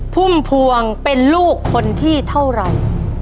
พุ่มพวงเป็นลูกคนที่เท่าไหร่